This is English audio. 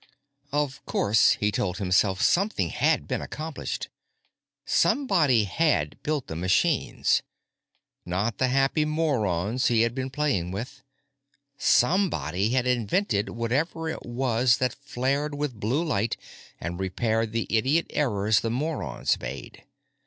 Of course, he told himself, something had been accomplished. Somebody had built the machines—not the happy morons he had been playing with. Somebody had invented whatever it was that flared with blue light and repaired the idiot errors the morons made.